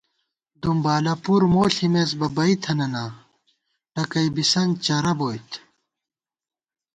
دُمبالہ پُر مو ݪِمېس بہ بئ تھنَنا، ٹکَئ بِسنت چرَہ بوئیت